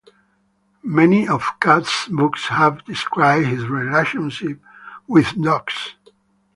Many of Katz' books have described his relationships with dogs.